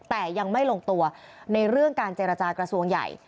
แต่ยังไม่ลงตัวในเรื่องการเจรจากระทรวงใหญ่